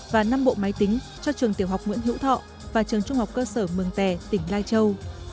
và năm bộ máy tính cho trường tiểu học nguyễn hữu thọ và trường trung học cơ sở mường tè tỉnh lai châu